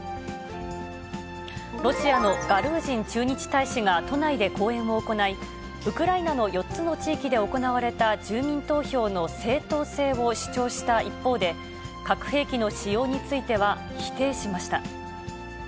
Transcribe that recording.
ロシアのガルージン駐日大使が都内で講演を行い、ウクライナの４つの地域で行われた住民投票の正当性を主張した一方で、核兵器の使用については、否定しました。